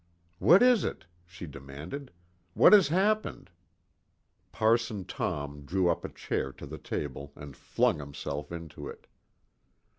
"What is it?" she demanded. "What has happened?" Parson Tom drew a chair up to the table and flung himself into it.